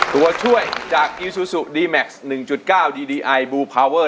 ตัวช่วยจากอิซุสุดีแม็กซ์หนึ่งจุดเก้าดีดีไอบูพาเวอร์